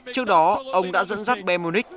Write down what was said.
trước đó ông đã dẫn dắt bn munich